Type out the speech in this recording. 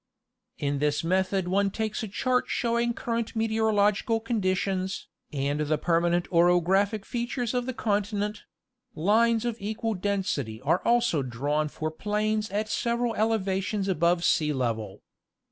In this method one takes a chart showing current meteoro logical conditions, and the permanent orographic features of the continent; lines of equal density are also drawn for planes at several elevations above sea level.